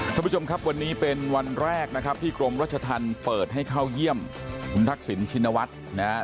ท่านผู้ชมครับวันนี้เป็นวันแรกนะครับที่กรมรัชธรรมเปิดให้เข้าเยี่ยมคุณทักษิณชินวัฒน์นะครับ